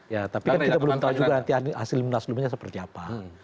ya tapi kan kita belum tahu juga nanti hasil munaslupnya seperti apa